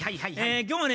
今日はね